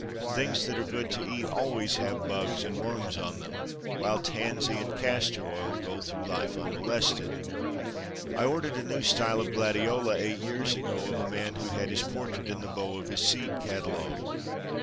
Things that are good to eat always have bugs and worms on them, while tansy and castor oil go through life unmolested. I ordered a new style of gladiola eight years ago of a man who had his portrait in the bow of his seed catalogue.